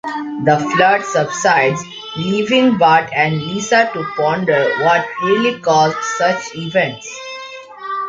The flood subsides, leaving Bart and Lisa to ponder what really caused such events.